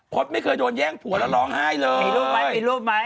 พตไม่เคยโดนแย่งผัวแล้วร้องไห้เลย